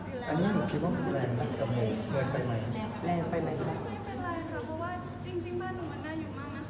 บ้านหนูมึงมันหล่อยดูดูยังไงหนูก็ต้องกลับอยู่แล้ว